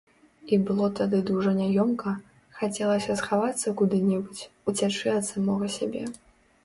І было тады дужа няёмка, хацелася схавацца куды-небудзь, уцячы ад самога сябе.